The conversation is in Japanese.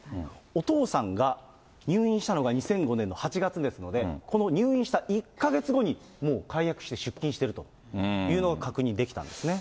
お父さんが入院したのが２００５年の８月ですので、この入院した１か月後に、もう解約して出金しているというのが確認できたんですね。